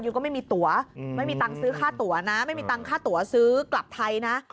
ก็ไม่มีตัวไม่มีตังค์ซื้อค่าตัวนะไม่มีตังค่าตัวซื้อกลับไทยนะ